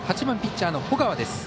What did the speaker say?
８番ピッチャーの保川。